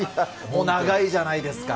もう長いじゃないですか。